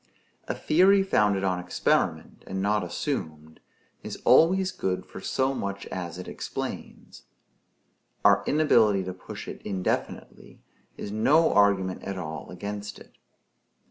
A theory founded on experiment, and not assumed, is always good for so much as it explains. Our inability to push it indefinitely is no argument at all against it.